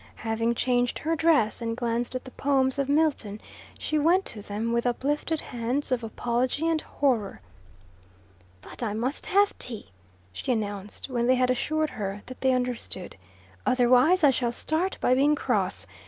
Having changed her dress and glanced at the poems of Milton, she went to them, with uplifted hands of apology and horror. "But I must have tea," she announced, when they had assured her that they understood. "Otherwise I shall start by being cross.